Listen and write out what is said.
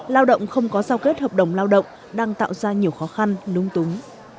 lao động không có giao kết hợp đồng lao động đang tạo ra nhiều khó khăn lung túng